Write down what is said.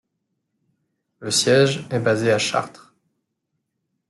Le siège est basé à Chartres.